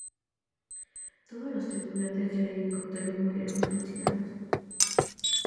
Todos los tripulantes del helicóptero murieron calcinados.